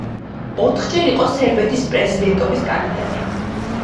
ოთხჯერ იყო სერბეთის პრეზიდენტობის კანდიდატი.